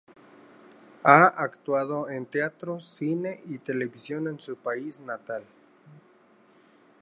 Ha actuado en teatro, cine y televisión en su país natal.